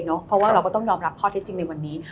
เพราะว่าเราก็ต้องยอมรับข้อเท็จจริงในวันนี้